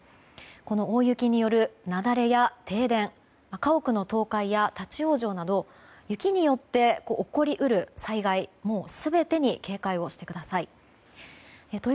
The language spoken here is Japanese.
この大雪による雪崩や停電家屋の倒壊や立ち往生など雪によって起こり得る災害全てに警戒してください。